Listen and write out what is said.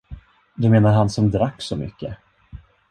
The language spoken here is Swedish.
Du menar han som drack så mycket?